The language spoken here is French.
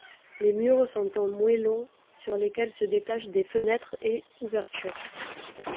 Les murs sont en moellons sur lesquels se détachent des fenêtres et ouvertures.